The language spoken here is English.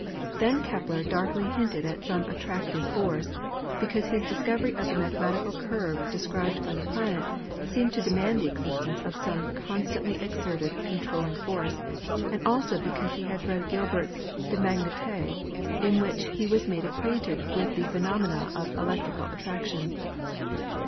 Then Kepler darkly hinted at some attractive force, because his discovery of the mathematical curve described by the planets seemed to demand the existence of some constantly exerted con trolling force and also because he had read Gilbert's 'De Magnete,' in which he was made acquainted with the phe nomena of electrical attraction.